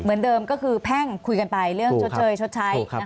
เหมือนเดิมก็คือแพ่งคุยกันไปเรื่องชดเชยชดใช้